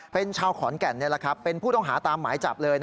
เป็นชาวขอนแก่นเป็นผู้ต้องหาตามหมายจับเลย